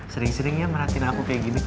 sering seringnya merhatiin aku kayak gini